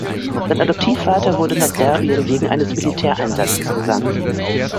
Sein Adoptivvater wurde nach Serbien wegen eines Militäreinsatzes gesandt.